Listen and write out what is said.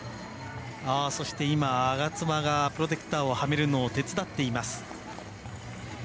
そして今、吾妻がプロテクターをはめるのを手伝っています。